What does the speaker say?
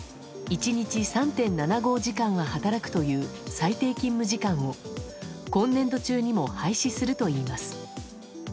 １日３．７５時間は働くという最低勤務時間を今年度中にも廃止するといいます。